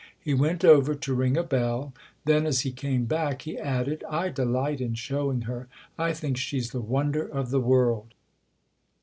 He went over to ring a bell ; then, as he came back, he added :" I delight in showing her. 1 think she's the wonder of the world."